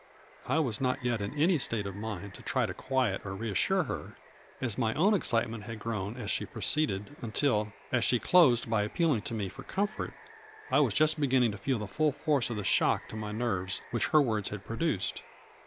" I was not yet in any state of mind to try to quiet or reassure her, as my own excitement had grown as she proceeded, until, as she closed by appealing to me for comfort, I was just be ginning to feel the full force of the shock to my nerves which her words had produced.